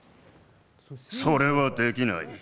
それはできない。